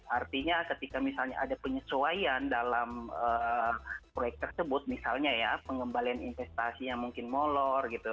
artinya ketika misalnya ada penyesuaian dalam proyek tersebut misalnya ya pengembalian investasi yang mungkin molor gitu